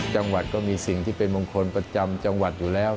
จังหวัดก็มีสิ่งที่เป็นมงคลประจำจังหวัดอยู่แล้ว